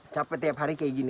capek tiap hari kayak gini